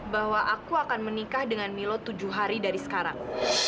bahwa aku akan menikah dengan milo tujuh hari dari sekarang